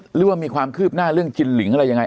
หรือว่ามีความคืบหน้าเรื่องจินหลิงอะไรยังไง